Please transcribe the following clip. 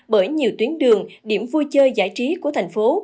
bởi nhiều tuyến đường điểm vui chơi giải trí của thành phố